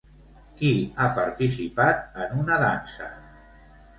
Qui ha participat en una dansa?